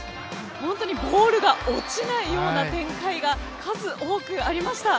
本当にボールが落ちないような展開が数多くありました。